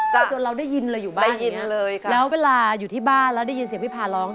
ไปจนเราได้ยินเลยอยู่บ้านยินเลยครับแล้วเวลาอยู่ที่บ้านแล้วได้ยินเสียงพี่พาร้อง